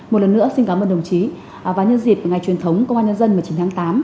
một lần nữa xin cảm ơn đồng chí và nhân dịp ngày truyền thống công an nhân dân một mươi chín tháng tám